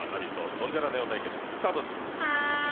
ドンジャラＮＥＯ対決スタートです。